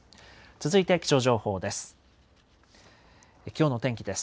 続いて気象情報です。